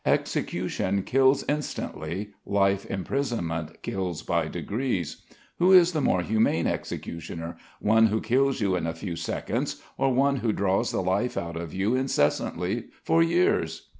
Execution kills instantly, life imprisonment kills by degrees. Who is the more humane executioner, one who kills you in a few seconds or one who draws the life out of you incessantly, for years?"